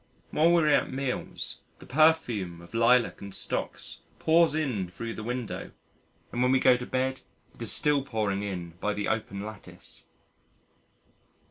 While we are at meals the perfume of Lilac and Stocks pours in thro' the window and when we go to bed it is still pouring in by the open lattice.